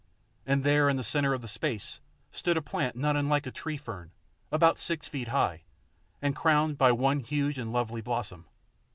And there in the centre of the space stood a plant not unlike a tree fern, about six feet high, and crowned by one huge and lovely blossom.